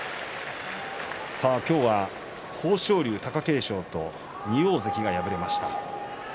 今日は豊昇龍、貴景勝と２大関が敗れました。